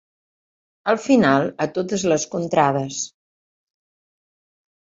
Al final, a totes les contrades.